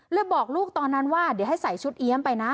บอกลูกตอนนั้นว่าเดี๋ยวให้ใส่ชุดเอี๊ยมไปนะ